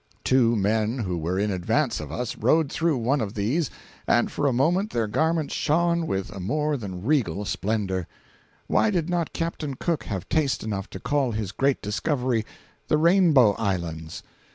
Two men who were in advance of us rode through one of these and for a moment their garments shone with a more than regal splendor. Why did not Captain Cook have taste enough to call his great discovery the Rainbow Islands?